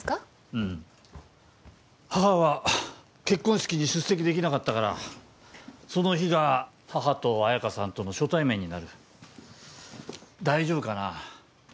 うん母は結婚式に出席できなかったからその日が母と綾華さんとの初対面になる大丈夫かな